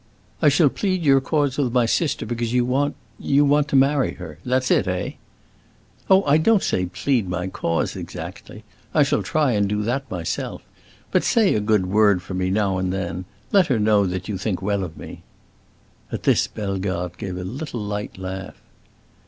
I shall plead your cause with my sister, because you want—you want to marry her? That's it, eh?" "Oh, I don't say plead my cause, exactly; I shall try and do that myself. But say a good word for me, now and then—let her know that you think well of me." At this, Bellegarde gave a little light laugh.